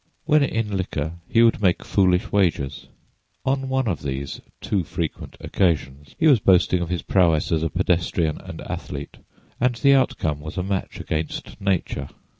When in liquor he would make foolish wagers. On one of these too frequent occasions he was boasting of his prowess as a pedestrian and athlete, and the outcome was a match against nature.